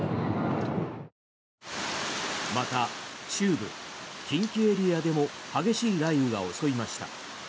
また、中部、近畿エリアでも激しい雷雨が襲いました。